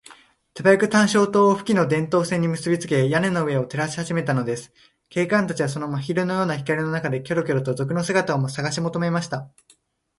手早く探照燈を付近の電燈線にむすびつけ、屋根の上を照らしはじめたのです。警官たちは、その真昼のような光の中で、キョロキョロと賊の姿をさがしもとめました。